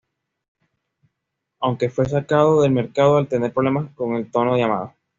Aunque fue sacado del mercado al tener problemas con el tono de llamada.